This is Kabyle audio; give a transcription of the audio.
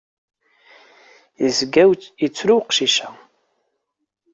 Izga yettru uqcic-a.